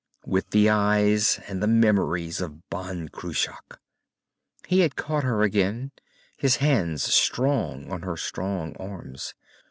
With the eyes and the memories of Ban Cruach!_" He had caught her again, his hands strong on her strong arms.